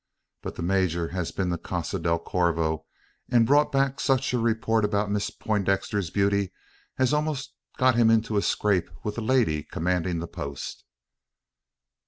But the major has been to Casa del Corvo, and brought back such a report about Miss Poindexter's beauty as almost got him into a scrape with the lady commanding the post."